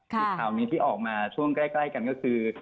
ข่าวนี้ที่ออกมาช่วงใกล้กันก็คือ